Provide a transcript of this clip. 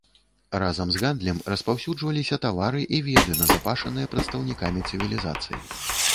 Разам з гандлем распаўсюджваліся тавары і веды, назапашаныя прадстаўнікамі цывілізацыі.